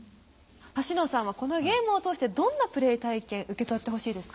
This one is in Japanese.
橋野さんはこのゲームを通してどんなプレイ体験受け取ってほしいですか？